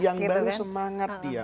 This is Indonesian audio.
yang baru semangat dia